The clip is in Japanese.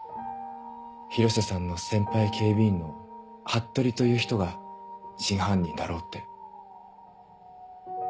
広瀬さんの先輩警備員の服部という人が真犯人だろうって。